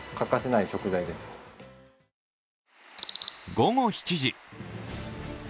午後７時。